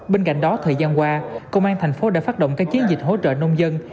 bên cạnh đó thời gian qua công an thành phố đã phát động các chiến dịch hỗ trợ nông dân